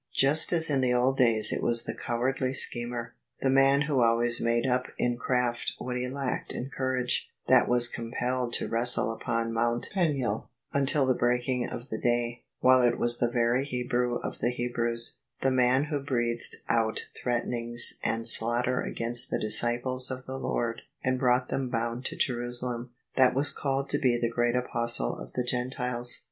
Just as in the old days it was the cowardly schemer — the man who always made up in craft what he lacked in courage — that was compelled to wrestle upon Mount Peniel until the breaking of the day; while it was the very Hebrew of the Hebrews — the man who breathed out threatenings and slaughter against the disciples of the Lord and brought them bound to Jerusalem — that was called to be the great Apostle of the Gentiles.